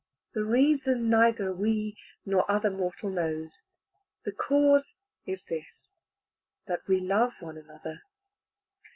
The reason neither we nor other mortal knows; the cause is this, that we love one another.